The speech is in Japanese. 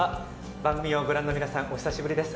番組をご覧の皆さんお久しぶりです。